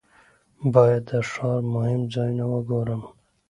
باید د ښار مهم ځایونه وګورم.